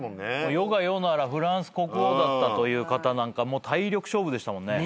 世が世ならフランス国王だったという方なんかもう体力勝負でしたもんね。